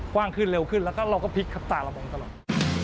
กว้างขึ้นเร็วขึ้นแล้วก็เราก็พลิกครับตาเรามองตลอด